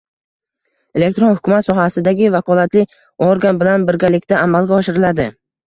elektron hukumat sohasidagi vakolatli organ bilan birgalikda amalga oshiriladi.